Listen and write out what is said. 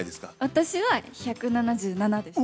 私は１７７でした。